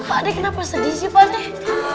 padek kenapa sedih sih padek